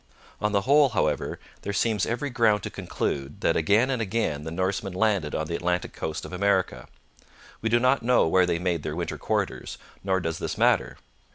On the whole, however, there seems every ground to conclude that again and again the Norsemen landed on the Atlantic coast of America. We do not know where they made their winter quarters, nor does this matter.